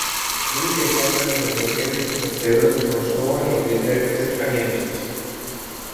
რელიგია შავკანიანი ამერიკელებისთვისაც ბევრად უფრო მნიშვნელოვანია, ვიდრე თეთრკანიანისთვის.